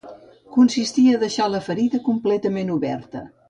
Consistia a deixar la ferida completament oberta